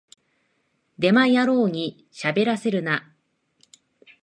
デマ野郎にしゃべらせるな